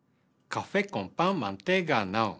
カフェコンパンマンティガノン。